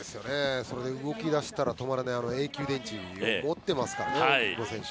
動き出したら止まらないエンジンを持っていますからね。